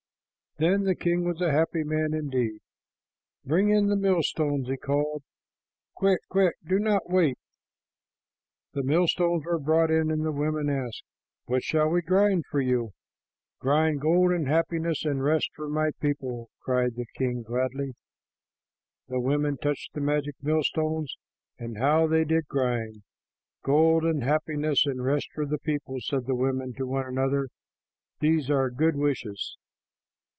Then the king was a happy man indeed. "Bring in the millstones," he called. "Quick, quick! Do not wait." The millstones were brought in, and the women asked, "What shall we grind for you?" "Grind gold and happiness and rest for my people," cried the king gladly. The women touched the magic millstones, and how they did grind! "Gold and happiness and rest for the people," said the women to one another. "Those are good wishes."